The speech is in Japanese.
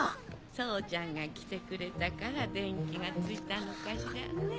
宗ちゃんが来てくれたから電気がついたのかしらね。